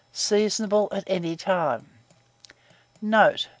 Seasonable at any time. Note.